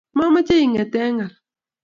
mamoche inget eng ngal.